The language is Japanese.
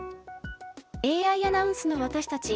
ＡＩアナウンスの私たち